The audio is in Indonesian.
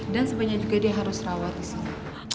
dan sebaiknya dia harus rawat disana